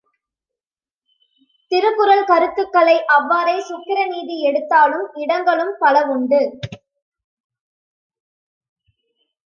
திருக்குறள் கருத்துக்களை அவ்வாறே சுக்கிரநீதி எடுத்தாளும் இடங்களும் பலவுண்டு.